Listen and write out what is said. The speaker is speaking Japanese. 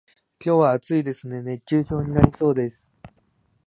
今日は暑いですね、熱中症になりそうです。